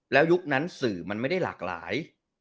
แล้วยุคนั้นสื่อมันไม่ได้หลากหลาย